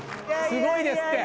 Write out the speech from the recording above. すごいですって。